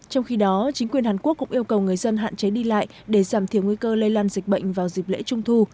trong khi đó chính quyền hàn quốc cũng yêu cầu người dân hạn chế đi lại để giảm thiểu nguy cơ lây lan dịch bệnh vào dịp lễ trung thu